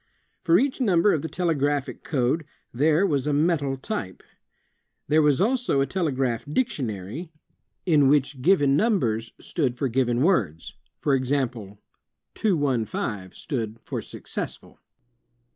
For each number of the telegraphic code, there was a metal type. There was also a telegraphic dictionary in SAMUEL F. B. MORSE 219 "which given numbers stood for given words. For example, 215 stood for successful.